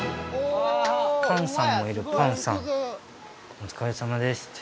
お疲れさまです。